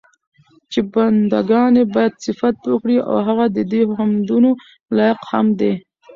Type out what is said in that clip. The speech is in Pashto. چې بندګان ئي بايد صفت وکړي، او هغه ددي حمدونو لائق هم دی